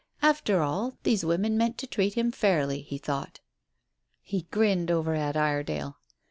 After all, these women meant to treat him fairly, he thought. He grinned over at Iredale.